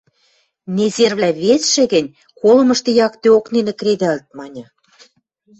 Незервлӓ верцшӹ гӹнь колымышты яктеок нинӹ кредӓлӹт, – маньы.